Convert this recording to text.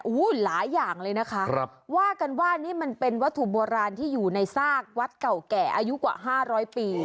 หลายอย่างเลยนะคะว่ากันว่านี่มันเป็นวัตถุโบราณที่อยู่ในซากวัดเก่าแก่อายุกว่า๕๐๐ปี